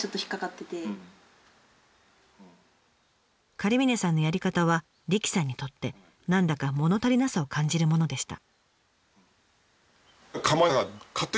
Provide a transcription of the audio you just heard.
狩峰さんのやり方は理妃さんにとって何だかもの足りなさを感じるものでした。